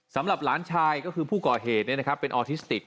สำหรับหลานชายก็คือผู้ก่อเหตุเป็นออทิสติก